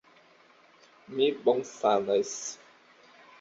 Mi bonsanas!